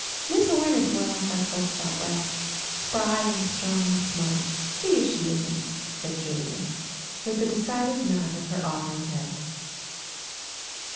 Miss Orne is more like our folks out West, spry and strong and smart, see if she isn't," said Julia, with a decided nod of her auburn head.